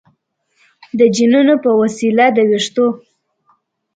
د جینونو په وسیله د ویښتو